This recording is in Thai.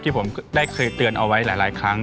ผมก็ได้เคยเตือนเอาไว้หลายครั้ง